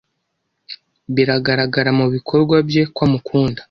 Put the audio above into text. Biragaragara mubikorwa bye ko amukunda.